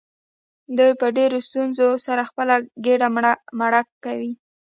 دوی په ډیرو ستونزو سره خپله ګیډه مړه کوي.